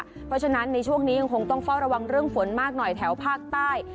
เพราะฉะนั้นในช่วงนี้ยังคงต้องเฝ้าระวังเรื่องฝนมากหน่อยแถวภาคใต้